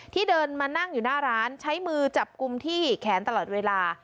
เดินมานั่งอยู่หน้าร้านใช้มือจับกลุ่มที่แขนตลอดเวลา